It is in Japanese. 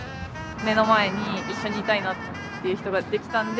目の前に一緒にいたいなっていう人ができたんで。